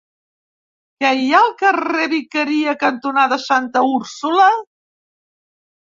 Què hi ha al carrer Vicaria cantonada Santa Úrsula?